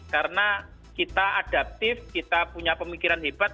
karena kita adaptif kita punya pemikiran hebat